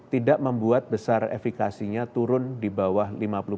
tidak membuat besar efikasinya turun di bawah lima puluh empat